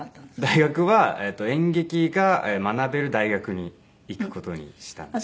大学は演劇が学べる大学に行く事にしたんですね。